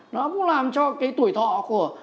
nó cũng làm cho cái tuổi thọ của